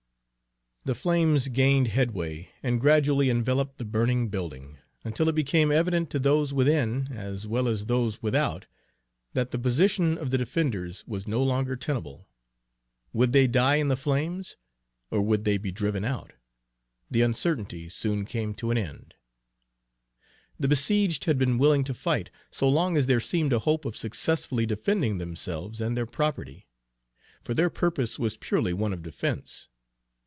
The flames gained headway and gradually enveloped the burning building, until it became evident to those within as well as those without that the position of the defenders was no longer tenable. Would they die in the flames, or would they be driven out? The uncertainty soon came to an end. The besieged had been willing to fight, so long as there seemed a hope of successfully defending themselves and their property; for their purpose was purely one of defense.